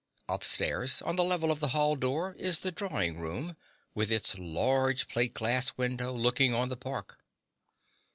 Upstairs, on the level of the hall door, is the drawing room, with its large plate glass window looking on the park.